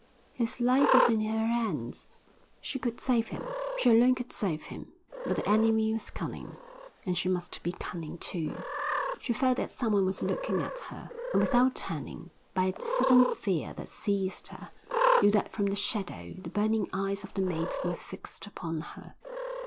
His life was in her hands. She could save him, she alone could save him, but the enemy was cunning, and she must be cunning too. She felt that someone was looking at her, and without turning, by the sudden fear that seized her, knew that from the shadow the burning eyes of the mate were fixed upon her.